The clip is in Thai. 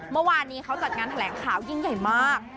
เมื่อวานนี้เขาจัดงานแถลงข่าวยิ่งใหญ่มาก